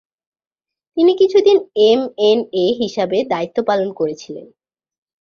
তিনি কিছু দিন এমএনএ হিসাবে দায়িত্ব পালন করেছিলেন।